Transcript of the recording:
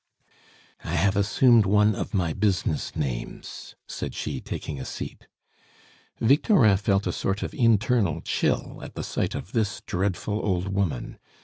"I have assumed one of my business names," said she, taking a seat. Victorin felt a sort of internal chill at the sight of this dreadful old woman.